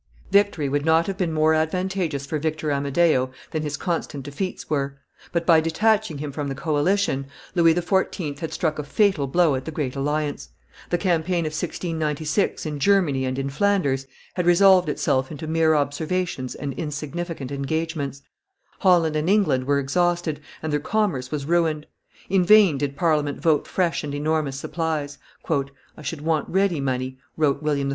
Victory would not have been more advantageous for Victor Amadeo than his constant defeats were; but, by detaching him from the coalition, Louis XIV. had struck a fatal blow at the great alliance: the campaign of 1696 in Germany and in Flanders had resolved itself into mere observations and insignificant engagements; Holland and England were exhausted, and their commerce was ruined; in vain did Parliament vote fresh and enormous supplies. "I should want ready money," wrote William III.